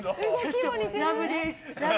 ラブです。